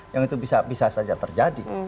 yang itu bisa saja terjadi